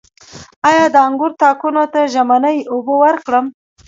آیا د انګورو تاکونو ته ژمنۍ اوبه ورکړم؟